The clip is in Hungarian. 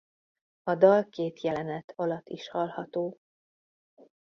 A dal két jelenet alatt is hallható.